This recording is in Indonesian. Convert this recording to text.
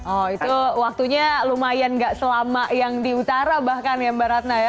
oh itu waktunya lumayan gak selama yang di utara bahkan ya mbak ratna ya